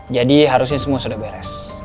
harusnya semua sudah beres